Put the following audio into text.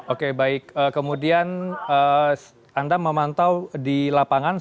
oke baik kemudian anda memantau di lapangan